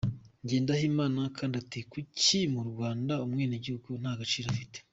– Ngendahimana kandi ati Kuki mu Rwanda, umwenegihugu nta gaciro afite ?